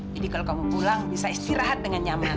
jadi kalau kamu pulang bisa istirahat dengan nyaman